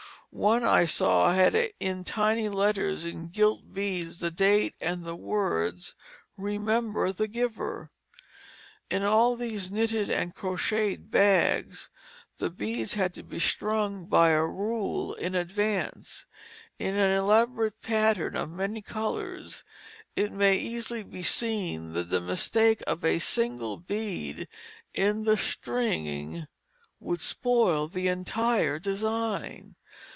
One I saw had in tiny letters in gilt beads the date and the words "Remember the Giver." In all these knitted and crocheted bags the beads had to be strung by a rule in advance; in an elaborate pattern of many colors it may easily be seen that the mistake of a single bead in the stringing would spoil the entire design.